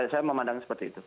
saya memandang seperti itu